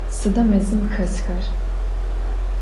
Sıda mezım xesxer?